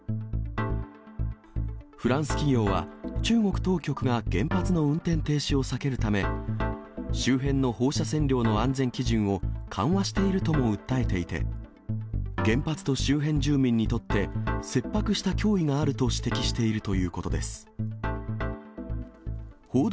フランス企業は、中国当局が原発の運転停止を避けるため、周辺の放射線量の安全基準を緩和しているとも訴えていて、原発と周辺住民にとって、切迫した脅威があると指摘しているということです。